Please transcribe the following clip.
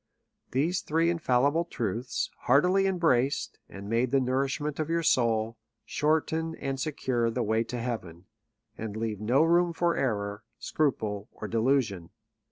These three infallible truths, heartily embraced, and made the nourishment of your soul, shorten and secure the way to heaven, and leave no room for error, scruple, or delusion.